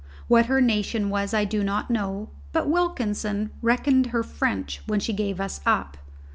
What her nation was I did not know; but Wilkinson reckoned her French when she gave us up.